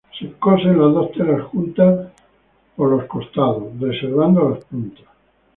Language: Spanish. Se cosen las dos telas juntas por la cada costado, reservando las puntas.